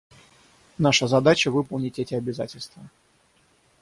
Наша задача — выполнить эти обязательства.